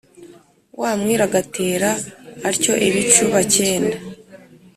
wá mwíru agatera atyo íbicúba cyendá